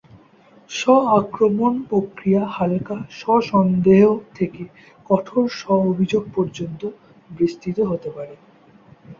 স্ব-আক্রমণ প্রক্রিয়া হাল্কা স্ব-সন্দেহ থেকে কঠোর স্ব-অভিযোগ পর্যন্ত বিস্তৃত হতে পারে।